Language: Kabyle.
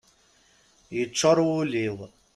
Yeččur wul-iw.